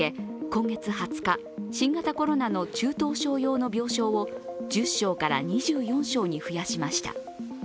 今月２０日、新型コロナの中等症用の病床を１０床から２４床に増やしました。